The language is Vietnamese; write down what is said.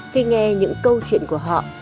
khi nghe những câu chuyện của họ